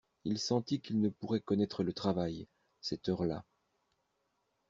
Il sentit qu'il ne pourrait connaître le travail, cette heure-là.